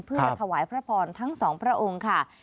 เพื่อถวายพระพรทั้งสองพระองค์ค่ะ